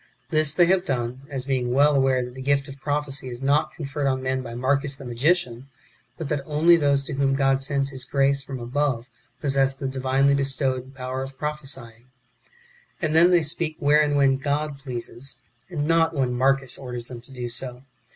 This they have done, as being well aware that the gift of prophecy is not conferred on men by Marcus, the magician, but that only those to whom God sends His grace from above possess the divinely bestowed power of prophesying ; and then they speak where and when God pleases, and not Avhen Marcus orders them to do so.